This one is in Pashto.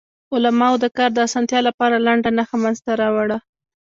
علماوو د کار د اسانتیا لپاره لنډه نښه منځ ته راوړه.